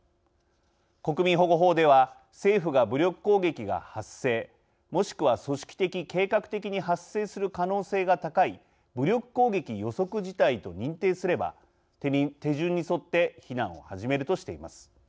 国民保護法では、政府が武力攻撃が発生、もしくは組織的・計画的に発生する可能性が高い武力攻撃予測事態と認定すれば、手順に沿って避難を始めるとしています。